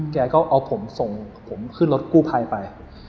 แกก็เอาผมส่งผมขึ้นรถกู้ภัยไป